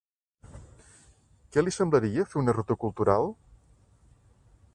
Què li semblaria fer una ruta cultural?